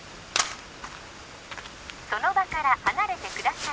その場から離れてください